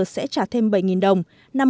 sẽ trả thêm bảy đồng